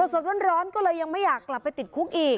สดร้อนก็เลยยังไม่อยากกลับไปติดคุกอีก